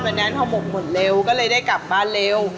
วันนั้นพอหมกหมดเร็วก็เลยได้กลับบ้านเร็ว